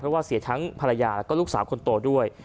เพราะว่าเสียทั้งภรรยาแล้วก็ลูกสาวคนโตด้วย